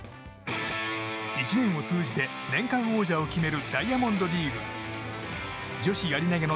１年を通じて年間王者を決めるダイヤモンドリーグ。女子やり投げの